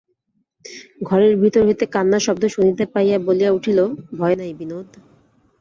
ঘরের ভিতর হইতে কান্নার শব্দ শুনিতে পাইয়া বলিয়া উঠিল, ভয় নাই বিনোদ!